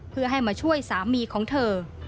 เพื่อให้มาช่วยสามีของเธอ